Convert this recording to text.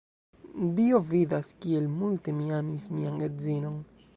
Dio vidas, kiel multe mi amis mian edzinon!